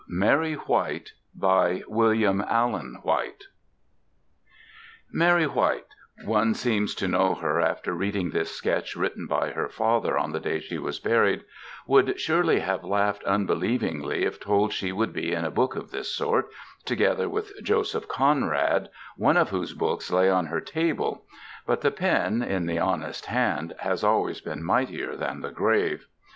MARY WHITE By WILLIAM ALLEN WHITE Mary White one seems to know her after reading this sketch written by her father on the day she was buried would surely have laughed unbelievingly if told she would be in a book of this sort, together with Joseph Conrad, one of whose books lay on her table. But the pen, in the honest hand, has always been mightier than the grave.